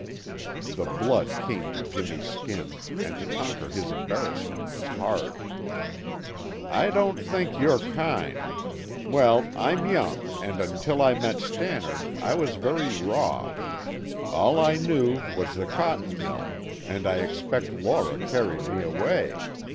The blood came to Jimmy's skin, and to conquer his embarrassment was hard. "I don't think you're kind. Well, I'm young and, until I met Stannard, I was very raw. All I knew was the cotton mill, and I expect Laura carried me away.